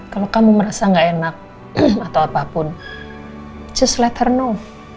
kalau kamu merasa gak enak atau apapun just let her know